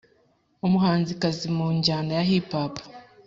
umuhanzikazi mu njyana ya “hip hop”